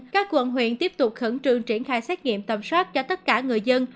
các quận huyện tiếp tục khẩn trương triển khai xét nghiệm tầm soát cho tất cả người dân